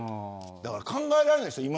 考えられないでしょう